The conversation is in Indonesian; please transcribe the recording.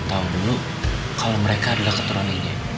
beritahu dulu kalau mereka adalah keturunannya